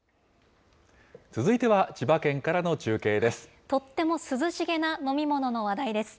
続いては千葉県からの中継です。